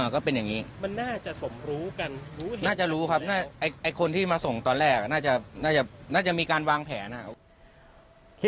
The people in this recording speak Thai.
ก็เป็นอย่างนี้มันน่าจะรู้ครับเออไอคนที่มาส่งตอนแรกน่าจะมีการวางแผมนฮะ